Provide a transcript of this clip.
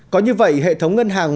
có như vậy hệ thống ngân hàng